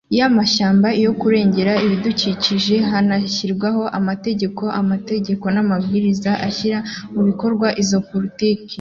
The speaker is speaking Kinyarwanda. iy'amashyamba, iyo kurengera ibidukikije, hanashyirwaho amategeko, amateka n'amabwiriza ashyira mu bikorwa izo politiki